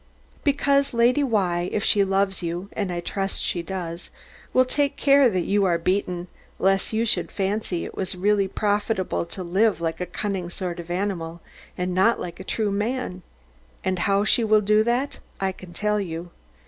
Because Lady Why, if she loves you (as I trust she does), will take care that you are beaten, lest you should fancy it was really profitable to live like a cunning sort of animal, and not like a true man. And how she will do that I can tell you.